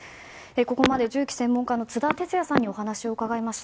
ここまで銃器専門家の津田哲也さんにお話を伺いました。